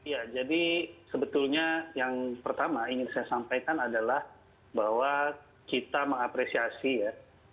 ya jadi sebetulnya yang pertama ingin saya sampaikan adalah bahwa kita mengapresiasi ya